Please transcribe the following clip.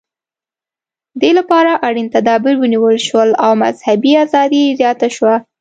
دې لپاره اړین تدابیر ونیول شول او مذهبي ازادي زیاته شوه.